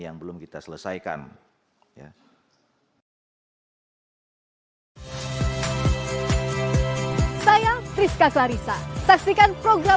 yang belum kita selesaikan